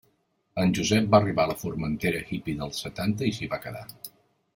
En Josep va arribar a la Formentera hippy dels setanta i s'hi va quedar.